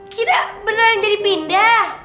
kita beneran jadi pindah